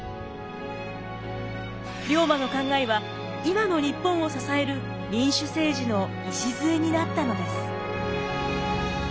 龍馬の考えは今の日本を支える民主政治の礎になったのです。